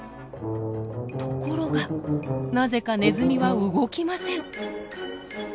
ところがなぜかネズミは動きません。